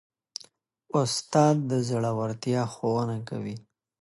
استاد د زړورتیا ښوونه کوي.